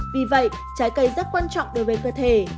vì vậy trái cây rất quan trọng đối với cơ thể